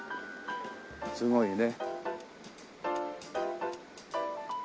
すごいね。